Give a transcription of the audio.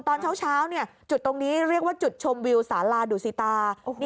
ตอนเช้าจุดตรงนี้เรียกว่าจุดชมวิวสาลาดุสิตา